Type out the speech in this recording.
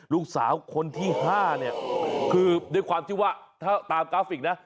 ลูกสาวคนที่ห้าคือในความที่ว่าถ้าตามกราฟิกนะ